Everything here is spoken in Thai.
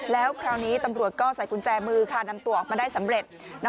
แล้วคราวนี้ตำรวจก็ใส่กุญแจมือค่ะนำตัวออกมาได้สำเร็จ